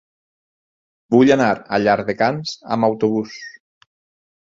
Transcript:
Vull anar a Llardecans amb autobús.